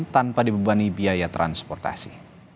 tanpa dibebani biaya transportasi